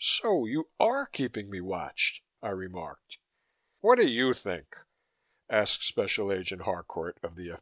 "So you are keeping me watched," I remarked. "What do you think?" asked Special Agent Harcourt of the F.